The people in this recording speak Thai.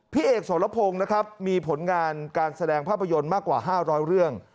พี่เอกสรพงศ์นะครับมีผลงานการแสดงภาพยนตร์มากกว่า๕๐๐เรื่อง